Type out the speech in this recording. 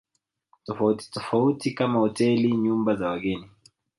tofauti tofauti kama hoteli nyumba za wageni